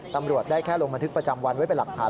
ตำรวจได้แค่ลงบันทึกประจำวันไว้เป็นหลักฐาน